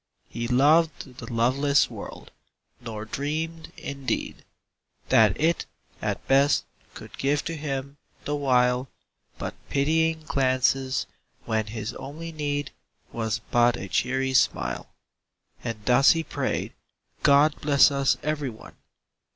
He loved the loveless world, nor dreamed, in deed. That it, at best, could give to him, the while. But pitying glances, when his only need Was but a cheery smile. And thus he prayed, " God bless us every one!"